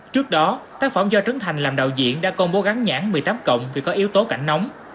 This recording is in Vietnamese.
trước đó tác phẩm do trấn thành làm đạo diễn đã công bố gắn nhãn một mươi tám cộng vì có yếu tố cảnh nóng